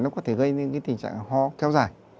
nó có thể gây nên cái tình trạng ho kéo dài